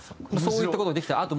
そういった事ができたら。